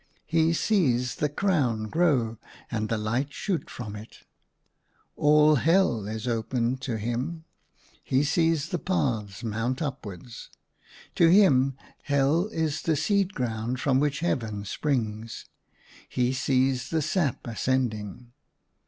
He sees the crown grow and the light shoot from it. All Hell is open to him. He sees the paths mount upwards. To him, Hell is the seed ground from which Heaven springs. He sees the sap ascending."